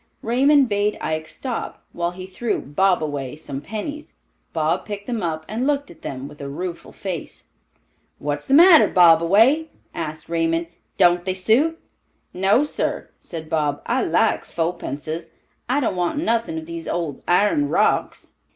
Raymond bade Ike stop, while he threw "Bobaway" some pennies. Bob picked them up and looked at them with a rueful face. "What's the matter, Bobaway?" asked Raymond. "Don't they suit?" "No, sir," said Bob. "I like fopences; I don't want nothin' of these old iron rocks."